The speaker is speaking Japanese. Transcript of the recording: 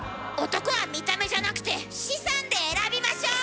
男は見た目じゃなくて資産で選びましょう！